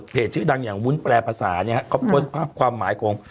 เผดชื่อดังอย่างวุ้นแปรภาษาเนี่ยก็บนแผ่นความหมายโครง